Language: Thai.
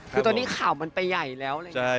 คือตอนนี้ข่าวมันไปใหญ่แล้วเลย